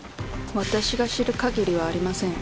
私が知る限りはありません。